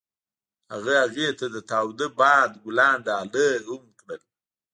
هغه هغې ته د تاوده باد ګلان ډالۍ هم کړل.